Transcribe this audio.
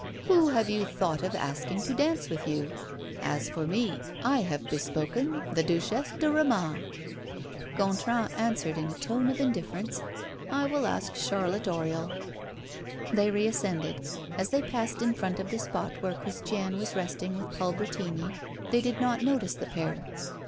"Who have you thought of asking to dance with you? As for me, I have bespoken the Duchesse de Ramas." Gontran answered in a tone of indifference: "I will ask Charlotte Oriol." They reascended. As they passed in front of the spot where Christiane was resting with Paul Bretigny, they did not notice the pair.